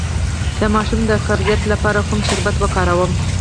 د ماشوم د قبضیت لپاره کوم شربت وکاروم؟